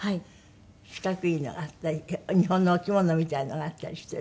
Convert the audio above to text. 四角いのがあったり日本のお着物みたいなのがあったりしてるわね